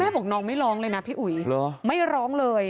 บอกน้องไม่ร้องเลยนะพี่อุ๋ยไม่ร้องเลย